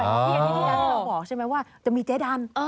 ที่เราบอกใช่ไหมว่าจะมีเจ๊ดัน